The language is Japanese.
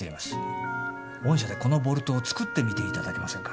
御社でこのボルトを作ってみていただけませんか？